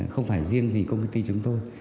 không phải riêng gì công ty chúng tôi